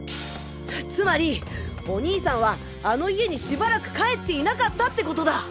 つまりお兄さんはあの家にしばらく帰っていなかったってことだ。